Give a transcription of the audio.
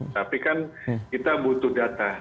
tapi kan kita butuh data